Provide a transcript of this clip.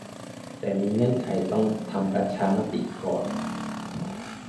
แต่มีเงื่อนไขต้องทำประชามติก่อน